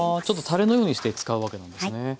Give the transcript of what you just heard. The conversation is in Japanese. ちょっとたれのようにして使うわけなんですね。